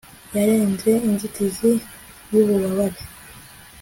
yarenze inzitizi yububabare